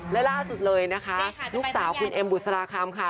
และล่าสุดเลยนะคะลูกสาวคุณเอ็มบุษราคำค่ะ